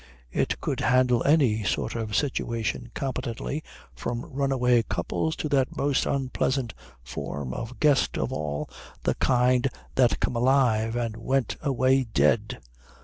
It could handle any sort of situation competently, from runaway couples to that most unpleasant form of guest of all, the kind that came alive and went away dead.